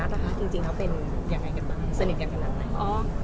สนิทกันกันไหม